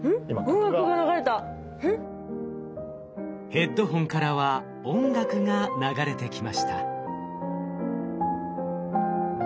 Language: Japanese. ヘッドホンからは音楽が流れてきました。